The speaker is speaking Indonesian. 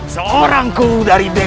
seorang kuru dari besok